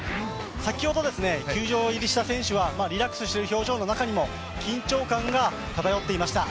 先ほど球場入りした選手はリラックスした表情の中にも緊張感が漂っていました。